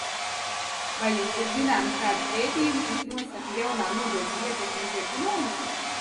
Vai jums ir zināmi kādi pētījumi, kas nosaka jaunā nodokļa radīto ietekmi uz ekonomiku?